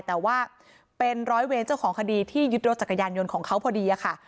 แต่ว่าเป็นร้อยเวรเจ้าของคดีที่ยึดรถจักรยานยนต์ของเขาพอดีค่ะ